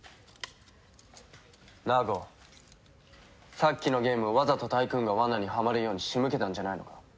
さっきのゲームわざとタイクーンが罠にはまるように仕向けたんじゃないのか？